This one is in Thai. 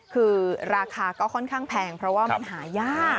คือราคาก็ค่อนข้างแพงเพราะว่ามันหายาก